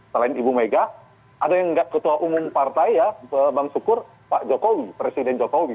selain ibu mega ada yang nggak ketua umum partai ya bang sukur pak jokowi presiden jokowi